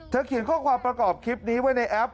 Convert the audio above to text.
เขียนข้อความประกอบคลิปนี้ไว้ในแอป